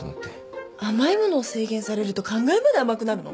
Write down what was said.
甘い物を制限されると考えまで甘くなるの？